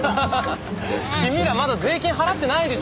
君らまだ税金払ってないでしょう。